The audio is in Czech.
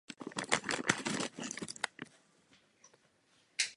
Byly to první britské eskortní lodě postavené od konce první světové války.